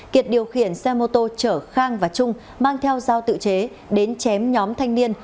kiệt điều khiển xe mô tô chở khang và trung mang theo dao tự chế đến chém nhóm thanh niên